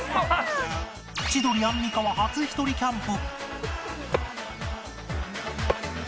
千鳥アンミカは初ひとりキャンプ